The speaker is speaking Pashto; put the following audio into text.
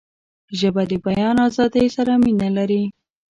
ژبه د بیان آزادۍ سره مینه لري